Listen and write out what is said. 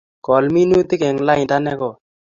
Kol minutik eng lainda nekoi